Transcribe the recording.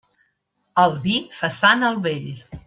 El vi fa sant el vell.